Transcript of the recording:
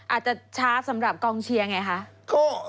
อาจจะช้าสำหรับกองเชียร์ไงคะ